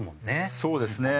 そうですね。